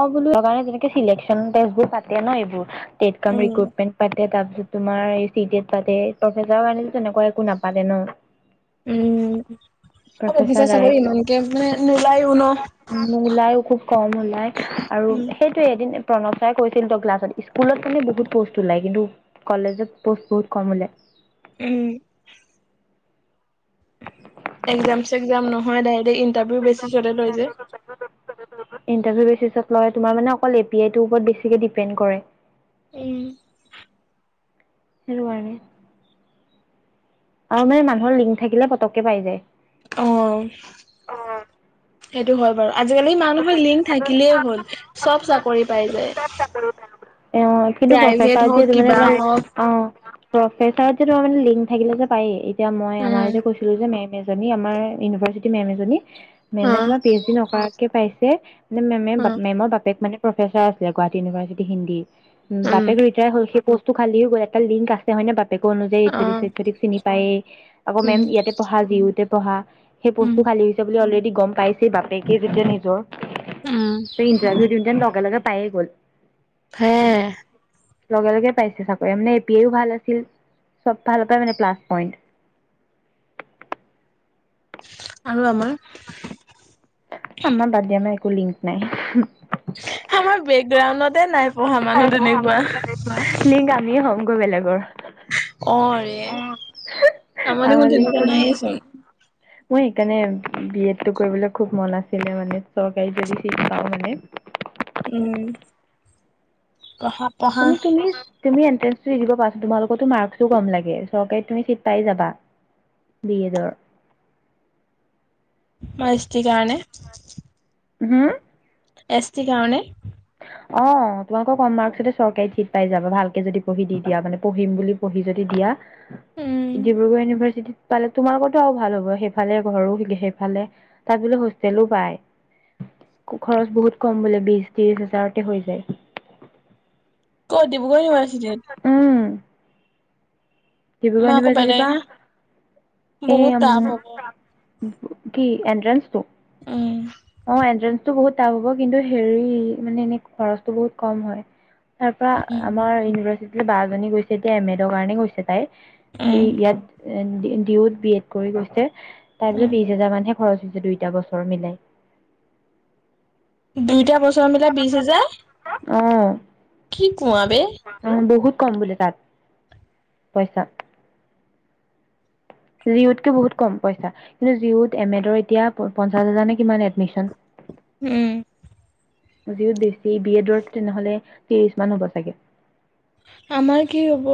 অ বোলো গাব কাৰণে চিলেকচন টেষ্টবোৰ পাতে ন এইবোৰ টেটকমিং উম, ৰেকুইডমেন্ত পাতে তাৰপিছত তোমাৰ এই চি টেট তাতে প্ৰফেচাৰৰ কাৰণে তেনেকুৱা একো নাপাতে ন উম উ অ অফিচা প্ৰফেচাৰ চাকৰি ডাইৰেক্ট ইমানকে মানে নোলাইও ন নোলায়ো খুব কম ওলাই আৰু উম, সেইটোৱে এদিন প্ৰণৱ চাই কৈছিল তই ক্লাছত স্কুলত মানে বহুত পোষ্ট ওলাই কিন্তু কলেজত পোষ্ট বহুত কম ওলে উম একজাম, চেগজাম নহয় ডাইৰেক্ট তথাপিও বেছি চলে তই যে ইণ্টাৰভিউ বেচিছত তোমাৰ মানে অকল এ পি আই ৰ ওপৰত বেছিকে ডিপেণ্ড কৰে। এ উম সেইটো কাৰণে আৰু মানে মানুহৰ লিংক থাকিলে পতককে পাই যায়। অ' সেইটো হয় বাৰু আজিকালি মানুহ কিবা লিংক থাকিলেই হ'ল চব চাকৰি পাই যায়। অ কিন্তু প্ৰাইভেট প্ৰফেচাৰত হওঁক যিহেতু মানে কিবা হওঁক অ প্ৰফেচাৰত যে তোমাৰ মানে লিংক থাকিলে যে পায়েই এতিয়া মই আমাৰ উম, যে কৈছিলো যে মেম আমাৰ ইউভাৰ্চিটি মেম জনি মেমে অ', তোমাৰ পি এইচ ডি নকৰাকে পাইছে মেমে অ', মেমৰ বাপেক মানে প্ৰফেচাৰ আছিলে গুৱাহাটী ইউনিভাৰ্চিটি হিন্দী। উম বাপেক ৰিটায়াৰ হ'ল। পস্তু খালি গ'ল, এটা লিংক আছে নে বা আকৌ অ', অনুযায়ীক চিনি পায়েই, আকৌ উম, মেম ইয়াতে পঢ়া যি ইউতে পঢ়া। সেই উম, পস্তটো খালী হৈছে বুলি অলৰেডি গম পাইছে বাপেকে যেতিয়া নিজৰ। ত উম, ইণ্টাৰভিউ দিওঁ যেন লগে লগে পায়ে গ'ল সে লগে লগে পাইছে চাকৰি মানে এ পি এও ভাল আছিল চব ভালৰ প মানে প্লাছ পইণ্ট। [inaudible] আৰু আমাৰ। আমাৰ বাদ দিয়া আমাৰ একো লিংক নাই। আমাৰ বেকগ্ৰাউণ্ডতে নাই। পঢ়া মানুহ তেনেকুৱা লিংক আমি হ'মগৈ বেলেগৰ। অ ৰে, আমাৰ দেখোন লিংক তেনেকুৱা কোনো নাই নাইয়েচোন। মই সেইকাৰণে বি এডটো কৰিবলৈ খুব মন আছিলে মানে চৰকাৰী যদি চিত পাওঁ মানে উম, পঢ়া পঢ়া তুমি তুমি তুমি এন- দিব পাৰছো তোমালোকতো মাৰ্কচোও কম লাগে চৰকাৰী তুমি চিট পাই যাবা। দিয়দাৰ। মষ্টটিকানে হম এছ টি কাৰানে। হয় [unintelligible] অ তোমালোকৰ কম মাৰ্কচতে চৰকাৰী ঠিত পাই যাবা ভালকে যদি পঢ়ি দি দিয়া মানে পঢিম বুলি পঢ়ি যদি দিয়া। উম ডিব্ৰুগড় ইউনিভাৰ্চিটিত। পালে তোমাৰ লগতো আৰু ভাল হ'ব, সেইফালে ঘৰো সেইফালে তাত বোলে হোষ্টেলো পায়। খৰচ বহুত কম বোলে বি ত্ৰিশ হাজাৰতে হৈ যায়। কত ডিব্ৰুগড় ইউনিভাৰ্চিটত। উম ডিব্ৰুগড় ইণ্টাৰচিটি পা বহুত টাফ হ'ব অ কি। অন্তেনচ্ছ টো উম অন্তেনচ্ছ। বহুত টাপ হ'ব কিন্তু হেৰি মানে এনে খৰচটো বহুত কম হয়। তাৰ পৰাৰা আমাৰ ইউনিভাৰ্চিট বজনী গৈছে এতিয়া এম এডৰ কাৰণে গৈছে তাইত। উম ইয়াত ডি ইউত বি এড কৰি গৈছে তাৰ পিছত উম বিশ হাজাৰ মানহে। খৰচ হৈছে দুইটা বছৰ মিলাই দুইটা বছৰ মিলাই বিশ হেজাৰ। অ কি কোৱা বে অ বহুত কম বোলে তাত পইচা। জিউতকে বহুত কম পইচা। কিন্তু জিউত এম এডৰ এতিয়া পঞ্চাশ হাজাৰ নে কিমান এডমিশন। উম। যিত বেছি বিয়েডৰ তেনেহ'লে ত্ৰিছ মমান হ'ব চাগে। আমাৰ কি হ'ব?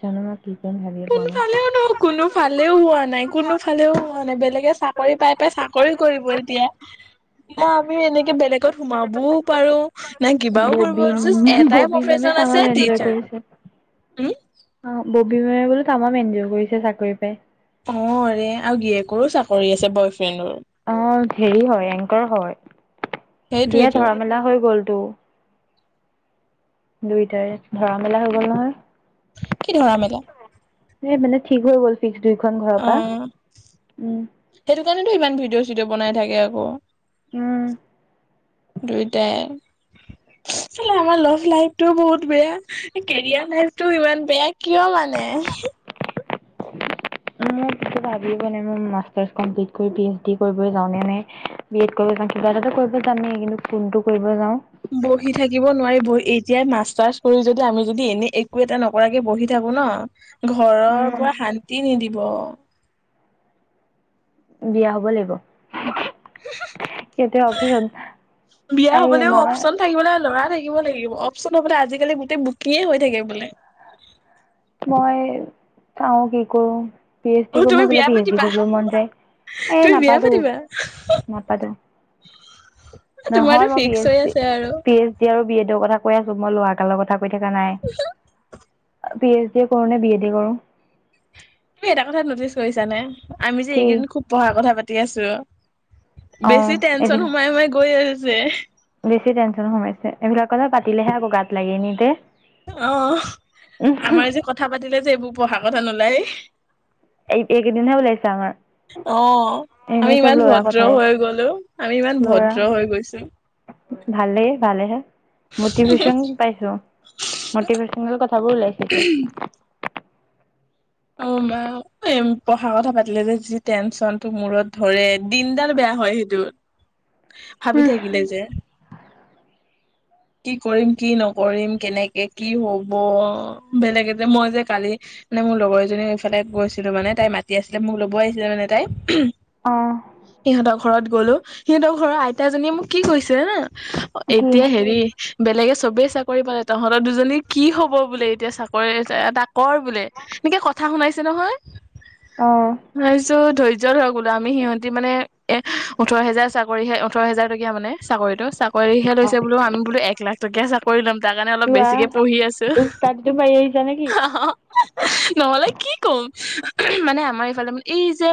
জানত ভালে পোৱা নাই। ফালেও নহ কোনো ফালেও হোৱা নাই, কোনো ফালেও হোৱা নাই, বেলেগে চাকৰি পাই-পাই চাকৰি কৰিবই তেতিয়া, ন আমিও এনেকে বেলেগ ত সোমাবও পাৰো না কিবাও কৰিব ববী জাষ্ট এটাই ববী মেমে প্ৰফেচন আছে তামাম এনজয় টিচাৰ। কৰিছে। উম অ ববী ম বোলো তামাম এনজয় কৰিছে চাকৰি পাই। অ, ৰে আৰু গিয়েকৰো চাকৰি আছে বয় ফ্ৰেণ্ডৰ অ হেৰি হয় এংকৰ হয়, বিয়া সেইটোৱেটো ধৰা মেলা হৈ গলতো। দুইটাৰ ধৰা মেলা হৈ গ'ল কি ধৰা মেলা নহয়। সে মানে ঠিক হৈ গ'ল ফিক্স দুইখন ঘৰৰ পৰা উম কেলেনো ইমান ভিডিঅ'-চিডিঅ' বনাই থাকে আকৌ দুইটাই অ। ফালে আমাৰ লাভ লাইফতটোও বহুত বেয়া কেৰিয়াৰ লাইফতটো ইমান বেয়া কিয় মানে। নি। [unintelligible] [unintelligible] কিবা এটাটো কৰিব যামেই কিন্তু কোনটো কৰিব যাওঁ। বহি থাকিব নোৱাৰি বহি এতিয়া মাষ্টাৰ্চ কৰি যদি আমি যদি এনে একো এটা নকৰাকে বহি থাকো। ন ঘৰৰ উম পৰা শান্তি নিদিব বিয়া হব লাগিব। সিহঁতে অফিচত বিয়া এই হবলৈও মই অপচন থাকিব না ল'ৰা থাকিব লাগিব অপচন হ বলে আজিকালি গোটেই বুকিঙ হৈ থাকে বোলে। মই চাও কি কৰো, পি এইচ ডি অ কৰিব তুমি মই বিয়া পি এইচ ডি পাতিবা কৰিব মন যায় এ তুমি বিয়া নাপাতো পাতিবা নাপাতো। নহয় তোমাৰতো মই ফিক্স পিএছ হৈ ডি আছে আৰু পি এইছ ডি আৰু বি এছ। কথা কৈ আছো মই লৰা এটা লগত থাকো এতিয়া জনাই। পি এছ ডি- সেইকাৰণে বি এ ডি কৰোঁ। তুমি এটা কথাত নটিচ কৰিছানে আমি যে কি এইকেইদিন খুব পঢ়া কথা পাতি আছো। অ বেছি টেনচন এইবিলাক সোমাই সোমাই গৈ আছে। বেছি টেনচ সোমাইছে এইবিলাক কথা পাতিলেহে আকৌ গাত লাগে। অ আমাৰ যে কথা পাতিলে যে এইবোৰ পঢ়া কথা নোলায়। এই এইকেইদিনহে ওলাইছো আমাৰ। অ আমি এনেই চব ইমান ল'ৰা ভদ্ৰ কথাই হৈ গলো আমি ইমান ল'ৰা ভদ্ৰ হৈ গৈছো। ভালেই ভালে হে। মটিভেশ্যন পাইছো মটিভেশচনেল কথাবোৰ ওলাইছো এতিয়া। অ পঢ়া কথা পাতিলে যে যি টেনচন টো মূৰত ধৰে। দিনডাল বেয়া হয় সেইটো। ভাবি থাকিলে অ যে। কি কৰিম? কি নকৰিম? কেনেকে কি হব? বেলেগে যে মই যে কালি নহয় মোৰ লগৰ এজনীও এইফালে গৈছিলো, মানে তাই মাতি আছিলে মোক, ল'ব আহিছিলে মানে তাই আহ সিহঁতৰ ঘৰত গ'লো, সিহঁতৰ ঘৰৰ আইতাজনীয়ে মোক কি কৈছে জানা কি এতিয়া হেৰি বেলেগে চবেই চাকৰি পালে তহঁতৰ দুজনী কি হ'ব বোলে এতিয়া চাকৰি এটা কৰ বোলে এনেকে ক কথা শুনাইছে নহয়, অ তাৰপিছত ধৈৰ্য ধৰক বোলো আমি সিহঁতি মানে এ ওঠৰ হেজাৰ চাকৰি, ওঠৰ হেজাৰ টকীয়া মানে চাকৰিটো। চাকৰিহে লৈছে বোলো আমি বোলো এক লাখ টকীয়াে চাকৰি ল'ম। তাৰ কাৰণে অলপ কিবা বেছিকে পঢ়ি আছো, উস্তাদিটো মাৰি আহিছা নেকি? অ নহলে কি কম? মানে আমাৰ এইফালে মান এই যে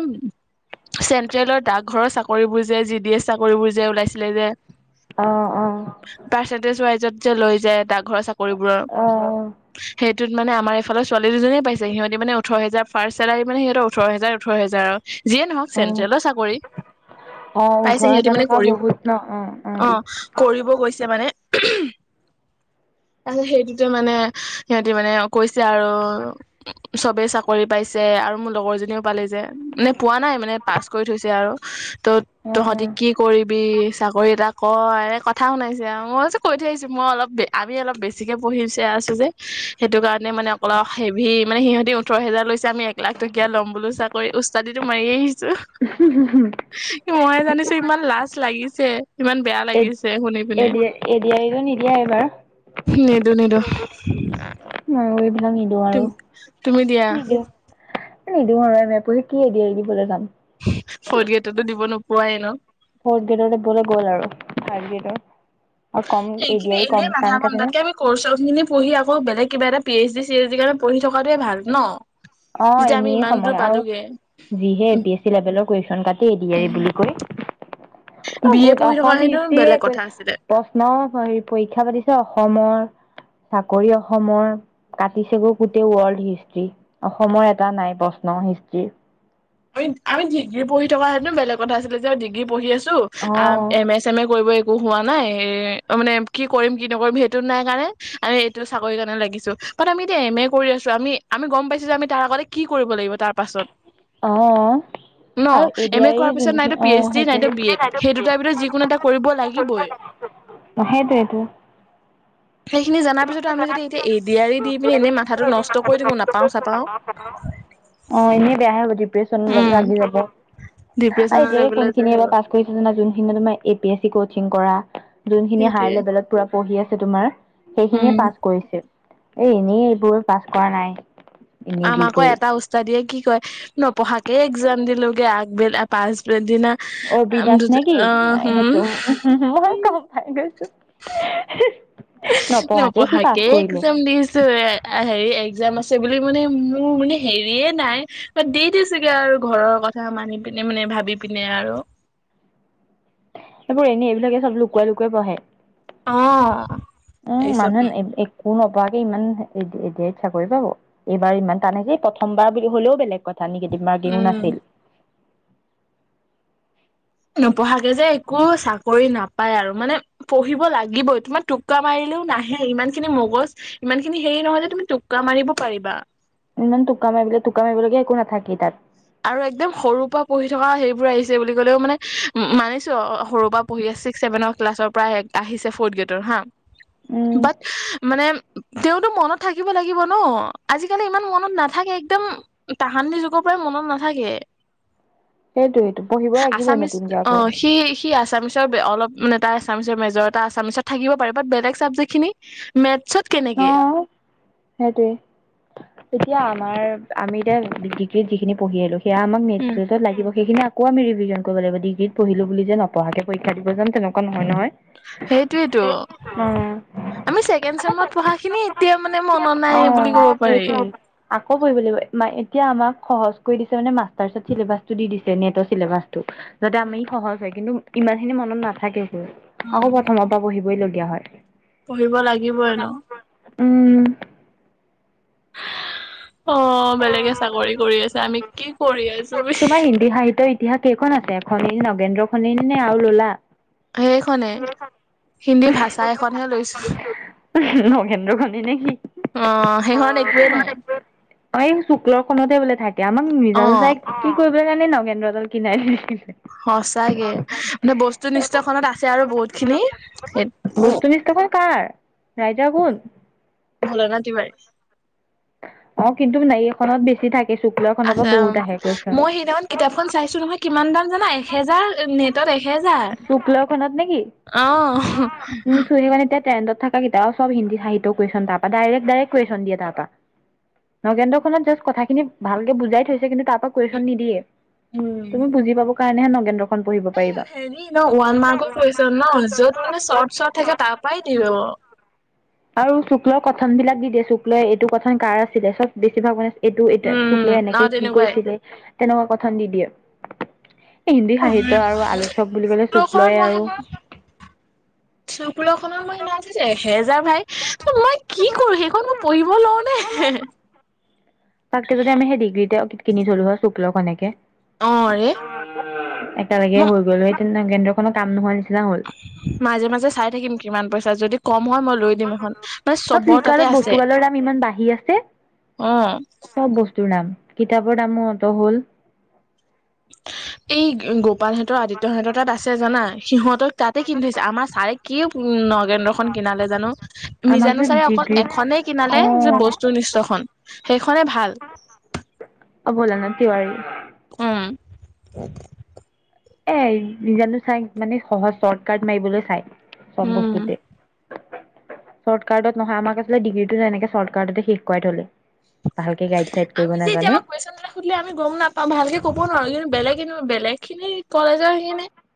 চেন্ট্ৰেলৰ ডাকঘৰৰ চাকৰিবোৰ যে? জি ডি এছ চাকৰিবোৰ যে ওলাইছিলে যে। অ অ পাৰ্চেন্টেজ ৱাইজত যে লৈ যায় ডাক। ঘৰৰ চাকৰিবোৰৰ। অ সেইটোত মানে আমাৰ এইফালৰ ছোৱালী দুজনীয়ে পাইছে সিহঁত মানে ওঁঠৰ হাজাৰ। ফাৰ্ষ্ট চেলাৰী মানে সিহঁতৰ ওঠৰ হাজাৰ ওঁঠৰ হেজাৰ আৰু। যিয়ে নহওক অ চেন্ট্ৰেলৰ চাকৰি। অ পাইছে ওঠৰ সিহঁতে হাজাৰ মানে টকা কৰিব, বহুত ন অ কৰিব গৈছে মানে [unintelligible] তাৰপাছত, সেইটোতে মানে সিহঁতি মানে কৈছে আৰু- চবেই চাকৰি পাইছে আৰু মোৰ লগৰ জনীও পালি যে মানে পোৱা নাই মানে পাছ কৰি থৈছে আৰু। ত' অ তহঁতি কি কৰিবি? চাকৰি এটা ক কথা শুনাইছে আৰু মই কৈ থৈ আহিছো মই অলপ আমি অলপ বেছিকে পঢ়িছে আছো যে। সেইটো কাৰণে মানে অকল হেভি মানে সিহঁত দি ওঠৰ হাজাৰ লৈছে। আমি এক লাখ টকীয়া ল'ম বোলো চাকৰি। ও্চ্ছাদিটো মাৰি আহি মইহে জানিছো ইমান লাজ লাগিছে। ইমান বেয়া এ লাগিছে শুনি পিনে। এডি এডিআৰিটো নিদিয়া এইবাৰ নিদো, নিদো। মই এইবিলাক নিদিওঁ আৰু তুমি দিয়া নিদিওঁ। নিদিওঁ আৰু এম এ পঢ়ি কি এদিআৰি দিবলে যাম। ফৰ্থ গেটতটো দিব নোপোৱাই ন? ফৰ্ত গেটত দিবলে গ'ল আৰু থাৰ্ত গেটৰ এইখিনি এনেই মাথা গৰম কাটেনে তা'তকে আমি কৌচৰ খিনি পঢ়ি আকৌ বেলেগ কিবা এটা P H D, C H D কাৰণে পঢ়ি থকাটোৱে ভাল ন। অঁ যেতিয়া আমি এনেই ইমান দূৰ সময় পালোগে আৰু- যিহে এ উম পি এছ চি লেভেলৰ কুৱেশচন কাটে এ দি আৰ ই উম বুলি কয়। অ বি এ গোট পঢ়ি থকা অসম হেনো হিষ্ট্ৰীয়ে বেলেগ কথা আছিলে। প্ৰশ্ন পৰীক্ষা পাতিছে অসমত চাকৰি অসমৰ, কাটিছেগৈ গোটেই ৱৰ্ল্ড হিষ্টি। অসমৰ এটা নাই প্ৰশ্ন হিষ্ট্ৰীৰ। আমি আমি ডিগ্ৰী পঢ়ি থকা সেতেনো বেলেগ কথা আছিলে যে ডিগ্ৰী পঢ়ি আছো অ আ এম এ চেম এ কৰিব একো হোৱা নাই, এ মানে কি কৰিম, কি নকৰিম, সেইটো নাই কাৰণে আমি এইটো চাকৰি কাৰণে লাগিছো। বাট আমি এতিয়া এম এ কৰি আছো। আমি আমি গম পাইছো যে আমি তাৰ আগতে কি কৰিব লাগিব তাৰ পাছত। অঁ ন আৰু এ দি এম আৰি কৰাৰ এই পিছত যোনখি, নাইতো অ পি এইচ ডি সেইটো নাইতো বি এড সেই দুটাৰ ভিতৰত যিকোনো এটা কৰিব লাগিবই। অঁ সেইটোৱেই টো। সেইখিনি জনাৰ পিছতো আমি যদি এতিয়া এডিয়াৰি দি পিনি এনেই মাথাটো নষ্ট কৰি থাকো, নাপাওঁ চাপাওঁ। অ এনেই বেয়া ডিপ্ৰেচন লাগি যাব। ডিপ্ৰেচন এদিয়াৰি কোন লেভেলত খিনি যায় এবাৰ হয় পাছ কৰিছে জানা? যোনখিনি তোমাৰ A P S C course coaching কৰা, যোনখিনি হাই সেইটোৱে লেবেলত পুৰা পঢ়ি আছে তোমাৰ, উম সেইখিনিয়ে পাছ কৰিছে। এ এনেই এইবোৰ পাছ কৰা নাই। এনেই দি আমাকো কৰি এটা উস্তাদিয়ে কি কয় নপঢ়াকে এক্জাম দিলোগে আগবেল পাছবেল দিনা উম, অবিনাশ নে কি অঁ হুম। সেইটো মই গম পাই গৈছো। সি পাছ নপঢ়াকে কৰিলে এক্জাম দিছো এ হেৰি এক্জাম আছে বুলি মানে মোৰ মানে হেৰিয়ে নাই। দি দিছোগে আৰু ঘৰৰ কথা মানি। ভি পিনে মানে ভাবি পিনে আৰু- [inaudible] এইবোৰ এনেই। এইবিলাকে চব লুকুৱাই লুকুৱাই পঢ়ে। অ উম এইচব মানুহে [unintelligible] একো নোপোৱা কৈ এচ ডি আইত ইমান চাকৰি পাব এইবাৰ ইমান টানে কি প্ৰথমবাৰ বুলি হ'লেও বেলেগ কথা। সানি কেইটি মাৰগেউ উম নাছিল। নপঢ়াকে যে একো চাকৰি নাপাই আৰু মানে পঢ়িব লাগিবই তোমাৰ টোক্কা মাৰি- কোনেও নাহে ইমান খিনি মগজ ইমান খিনি হেৰি নহয় যে তুমি টোক্কা মাৰিব পাৰিবা। ইমান টোককা মাৰিব লগীয়া টোক্কা মাৰিব লগীয়া একো নাথাকেই তা'ত। আৰু একদম সৰু পৰা পঢ়ি থকা সেইবোৰ আহিছে বুলি কলেও মানে মানিছো আৰু সৰুৰ পৰা পঢ়ি আছে। ছিক্স ছেভেনৰ ক্লাছৰ পৰা আহিছে ফ'ৰ্থ গ্ৰেডৰ হাঁ উম বাট মানে- তেওঁতো মনত থাকিব লাগিব ন আজিকালি ইমান মনত নাথাকে একদম তাহানিৰ যুগৰ পৰাই মনত- নেথাকে। সেইটোৱেইটো পঢ়িব লাগিবই আছামিজ নতুনকে আকৌ অঁ সি সি- এছামিছৰ অলপ মানে এটা এছামিছৰ মেজৰ এটা এছামিছত থাকিব পাৰে বাট বেলেগ চাবজেক্টখিনি মেথ- অ সেইটোৱে। তেতিয়া আমাৰ, আমি এতিয়া ডিগ্ৰীত যিখিনি পঢ়ি আহিলোঁ, সেয়া আমাক নেক্সট উম। গ্ৰেদত লাগিব সেইকেইটা আকো আমি ৰিভিজন কৰিব লাগিব ডিগ্ৰী পঢ়িলো বুলি যে নপঢ়াকে পৰীক্ষা দিব যাম তেনেকুৱা নহয় নহয় সেইটোয়ে তো আমি ছেকেণ্ড চেমত পঢ়া খিনি- এতিয়া মানে মনত নাই বুলি ক'ব অঁ পাৰি সেইটোৱেই। আকৌ পঢ়িব লাগিব এতিয়া আমাক। সহজ কৰি দিছে মানে মাষ্টাৰ্চত চিলেবাচটো দি দিছে নেটৰ চিলেবাটো। যাতে উম আমি সহজ হয় কিন্তু- ইমান খিনি মনত নাথাকে গৈ আকৌ প্ৰথমৰ পৰা পঢ়িবই লগীয়া হয়। পঢ়িবই লাগিবই ন। উম। অঁ বেলেগে চাকৰি কৰি আছে আমি কি কৰি আছো। বে। তোমাৰ হিন্দী সাহিত্যৰ ইতিহাস কেইখন আছে এখনেই নগেন্দ্ৰ খনিনে নে আৰু ললা? সেইখনে হিন্দী ভাষা এখনহে লৈছো। হিন্দী নেকি। অ সেইখনত একোৱে নাই অ এই শুক্ল খনততে বোলে থাকে। আমাক অ নেজানো চাই কি কৰিব কাৰণে নগেন্দ্ৰডাল কিনাই। সচাকে মানে বস্তু নিষ্ঠখনত আছে আৰু বহুত খিনি। কোন কাৰ ৰাইডাৰ কোন। ভোলেনাথ তিৱাৰী অঁ কিন্তু মানে এখনত বেছি থাকে। শুক্ল খনৰ পৰা আচ্ছা, বহুত উম, আহে কুৱেশ্যন মই সেইদিনাখন কিতাপখন চাইছো নহয়, কিমান দাম জানা? এহেজাৰ নে ত'ত এহেজাৰ শুক্ল খনত নেকি অঁহ। চেন্ড'ত থকা কিটাও চব হিন্দী সাহিত্য কুৱেশ্যন তাৰ পৰা ডাইৰেক ডাইৰেক কুৱেশ্যন দিয়ে তাৰ পৰা। নগেন্দ্ৰ খনত জাষ্ট কথাখিনি ভালকে বুজাই থৈছে কিন্তু তা'ত কুৱেশন নিদিয়ে, উম তুমি বুজি পাব কাৰণেহে নগেন্দ্ৰখন পঢ়িব পাৰিবা। হেৰি ন' ওৱান মাৰ্কছ ন' য'ত মানে চৰ্ট চৰ্ট থাকে তাৰ পৰাই দি যাব। আৰু শুক্ল কথন বিলাক দি দিয়ে শুক্লয়ে এইটো কথন কাৰ আছিলে চব বেছিভাগ ব- এইটো এতিয়া উম শুক্ল অ এনেকে কি তেনেকুৱাই কৈছিলে, তেনেকুৱা কথাত দি দিয়ে এই হিন্দী সাহিত্য আৰু আলোচক বুলি ক'লে শুক্লয়ে আৰু শুক্লত এহেজাৰ ভাই ত' মই কি কৰো সেইখন মই পঢ়িব নোৱাৰো দেই। তাকতে যদি আমি সেই ডিগ্ৰীতে কিনি থলো হৈ শুক্ল খনকে অ ৰে [unintelligible] একেলগে মই হৈ গলে কেন্দ্ৰখনতো কাম নহয়। মাজে মাজে চাই থাকিম কিমান পইচা যদি- কম হয় মই লৈ দিম এখন মানে আৰু চবৰ তাতে ফ্লিপকাৰ্টত আছে। বস্তুগালৰ দাম ইমান বাঢ়ি আছে অঁ চব বস্তুৰ দাম কিতাপৰ দামো অত হ'ল। এই গোপালহঁতৰ আদিত্য হঁতৰ তাত আছে জানা। সিহঁতৰ তাতে কিনি থৈছে আমাৰ ছাৰে কি- কেন্দ্ৰ খন কিনালে জানো, আমাক যে মিজানুচাৰী অকল ডিগ্ৰীত এখনেই কিনালে অ যে বস্তু নিশ্চয়খন। সেইখনে ভাল। অবল না তিৱাৰী। ত [inaudible] এ, ৰিজাল্টটো চাই মানে সহজ, চৰ্ট কাট মাৰিবলৈ চাই, চব উম বস্তুতে চৰ্ট কাৰ্টত নহয় আমাক আচলতে ডিগ্ৰীটো তেনেকে চৰ্টতে শেষ কৰোৱাই থ'লে। ভালকে গাই। আমি যে এতিয়া আমাক কুৱেশন এটা সুধিলে আমি গম নাপাওঁ, ভালকে ক'ব নোৱাৰো, কিন্তু বেলেগে নো-বেলেগ খিনি কলেজত- [unintelligible]